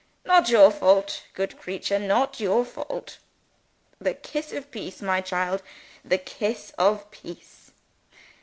Not your fault. Good creature. Not your fault.) The kiss of peace, my child; the kiss of peace."